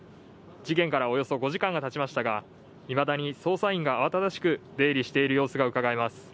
事件からおよそ５時間がたちましたが、いまだに捜査員が慌ただしく出入りしている様子がうかがえます。